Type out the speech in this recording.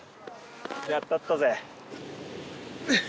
やったったぜうっ！